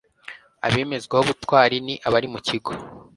abemezwaho ubutwari ni abari mu kigo